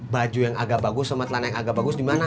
baju yang bagus sama celana yang bagus dimana